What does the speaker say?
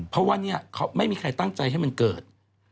เพราะว่าเนี่ยเขาไม่มีใครตั้งใจให้มันเกิด